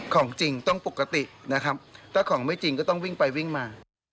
ของจริงต้องปกตินะครับถ้าของไม่จริงก็ต้องวิ่งไปวิ่งมา